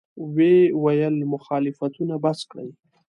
ویې ویل: مخالفتونه بس کړئ.